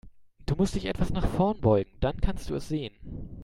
Du musst dich etwas nach vorn beugen, dann kannst du es sehen.